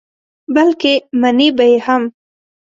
بلکې منې به یې هم.